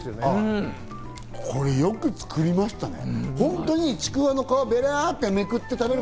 これよく作りましたね。